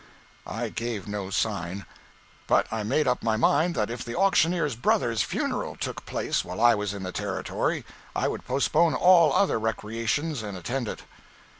I gave no sign; but I made up my mind that if the auctioneer's brother's funeral took place while I was in the Territory I would postpone all other recreations and attend it.